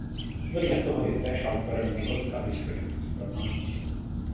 Vedle toho je též autorem několika historických románů.